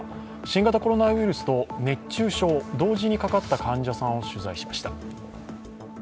新型コロナウイルスと熱中症、同時にかかった患者さんを取材しました。